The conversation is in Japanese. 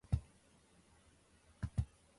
君